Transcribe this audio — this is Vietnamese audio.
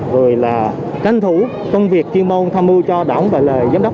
rồi là canh thủ công việc chuyên môn tham mưu trong lĩnh vực xâm tác đoán xâm tác chính trị đối tượng